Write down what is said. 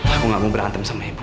aku gak mau berantem sama ibu